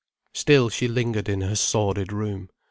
Still she lingered in her sordid room.